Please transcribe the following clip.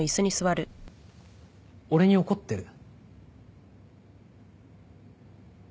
俺に怒ってる？